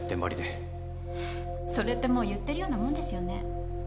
ふっそれってもう言ってるようなもんですよね。